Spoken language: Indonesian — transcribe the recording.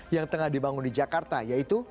yang tengah dibangun di jakarta yaitu